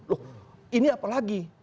loh ini apa lagi